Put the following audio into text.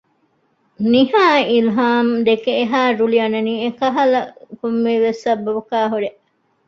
ނިހާ އިލްހާމްދެކެ އެހާ ރުޅި އަންނަނީ އެކަހަލަ ކޮންމެވެސް ސަބަބަކާ ހުރޭ